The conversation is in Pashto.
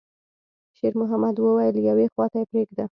شېرمحمد وويل: «يوې خواته پرېږده.»